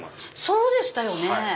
そうでしたよね。